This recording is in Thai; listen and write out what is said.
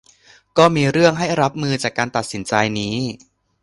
ก็จะมีเรื่องให้รับมือจากการตัดสินใจนี้